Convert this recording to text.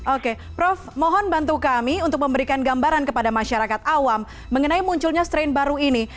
oke prof mohon bantu kami untuk memberikan gambaran kepada masyarakat awam mengenai munculnya strain baru ini